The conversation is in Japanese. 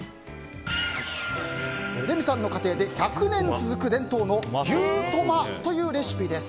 レミさんの家庭で１００年続く伝統の牛トマというレシピです。